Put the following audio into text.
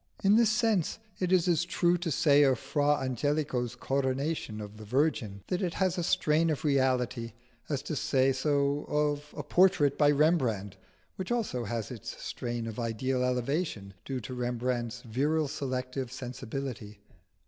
In this sense it is as true to say of Fra Angelico's Coronation of the Virgin, that it has a strain of reality, as to say so of a portrait by Rembrandt, which also has its strain of ideal elevation due to Rembrandt's virile selective sensibility.